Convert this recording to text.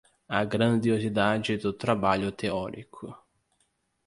a grandiosidade do trabalho teórico